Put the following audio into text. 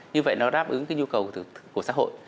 như vậy nó đáp ứng cái nhu cầu của xã hội